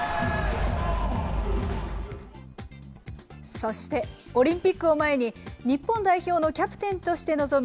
そして、オリンピックを前に、日本代表のキャプテンとして臨む